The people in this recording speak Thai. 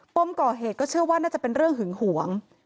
มก่อเหตุก็เชื่อว่าน่าจะเป็นเรื่องหึงหวง